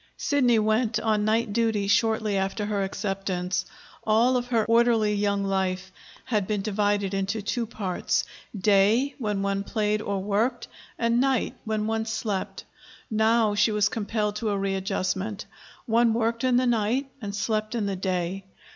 Sidney went on night duty shortly after her acceptance. All of her orderly young life had been divided into two parts: day, when one played or worked, and night, when one slept. Now she was compelled to a readjustment: one worked in the night and slept in the day.